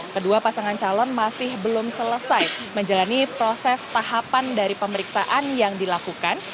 kedua pasangan calon masih belum selesai menjalani proses tahapan dari pemeriksaan yang dilakukan